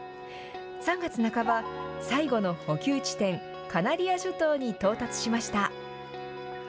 ３月半ば、最後の補給地点、カナリア諸島に到達しました。